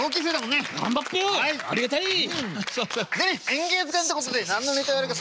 「演芸図鑑」ってことで何のネタやるか。